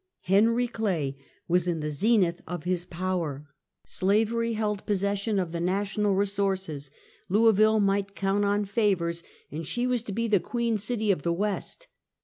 Henry Clay was in the zenith of his power, slavery held possession 62 Half a Cektuey. of the national resources, Louisville might count on favors, and she v^^as to be Queen City of the West.